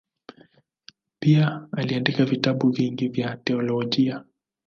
Pia aliandika vitabu vingi vya teolojia.